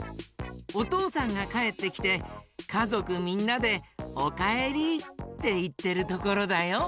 おとうさんがかえってきてかぞくみんなで「おかえり」っていってるところだよ。